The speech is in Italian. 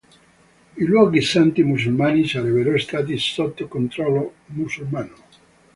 I luoghi santi musulmani sarebbero stati sotto controllo musulmano.